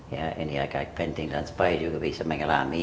ya ini agak penting dan supaya juga bisa mengerami